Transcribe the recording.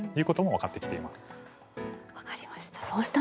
分かりました。